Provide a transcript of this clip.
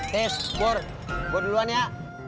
tis pur gua duluan ya